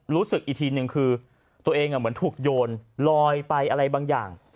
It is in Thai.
รู้สึกอีกทีหนึ่งคือตัวเองเหมือนถูกโยนลอยไปอะไรบางอย่าง